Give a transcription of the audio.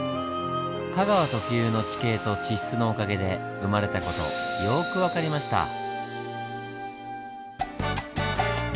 香川特有の地形と地質のおかげで生まれた事よく分かりました。